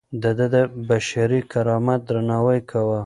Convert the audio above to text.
ده د بشري کرامت درناوی کاوه.